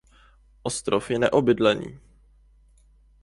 Ostrov je neobydlený.